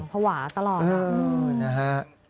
ภาวะตลอดนะฮะ